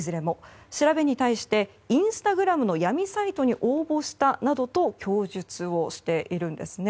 調べに対してインスタグラムの闇サイトに応募したなどと供述をしているんですね。